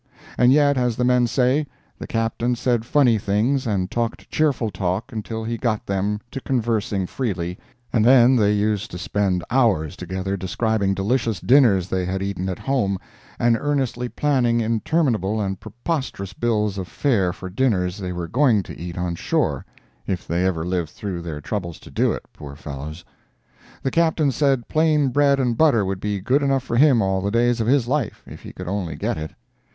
And yet, as the men say, the Captain said funny things and talked cheerful talk until he got them to conversing freely, and then they used to spend hours together describing delicious dinners they had eaten at home, and earnestly planning interminable and preposterous bills of fare for dinners they were going to eat on shore, if they ever lived through their troubles to do it, poor fellows. The Captain said plain bread and butter would be good enough for him all the days of his life, if he could only get it.